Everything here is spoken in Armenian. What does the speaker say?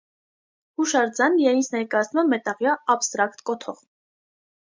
Հուշարձանն իրենից ներկայացնում է մետաղյա աբստրակտ կոթող։